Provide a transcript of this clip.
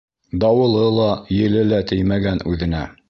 Дауылы ла, еле лә теймәгән үҙенә.